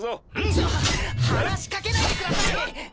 ちょ話し掛けないでくださいよ！